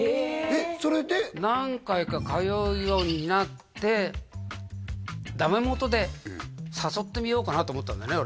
えっそれで何回か通うようになってダメもとで誘ってみようかなと思ったんだよね